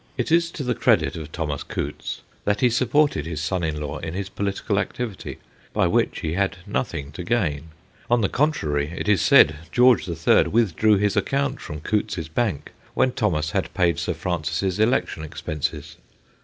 It is to the credit of Thomas Coutts that he supported his son in law in his political activity, by which he had nothing to gain : on the con trary, it is said George the Third withdrew his account from Coutts's bank when Thomas had paid Sir Francis's election expenses.